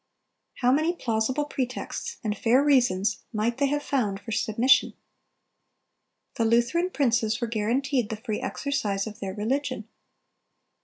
How many plausible pretexts and fair reasons might they have found for submission! The Lutheran princes were guaranteed the free exercise of their religion.